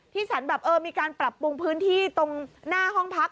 สันแบบเออมีการปรับปรุงพื้นที่ตรงหน้าห้องพัก